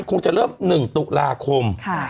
คงจะเริ่ม๑ตุลาคม